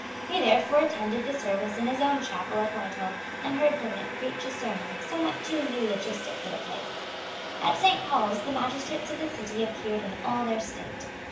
He therefore attended the service in his own chapel at Whitehall, and heard Burnet preach a sermon, somewhat too eulogistic for the place. At Saint Paul's the magistrates of the City appeared in all their state.